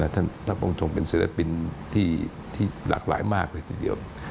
พระองค์ทรงเป็นศิลปินที่หลากหลายมากเลยทีเดียว